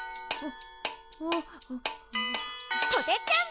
こてっちゃん！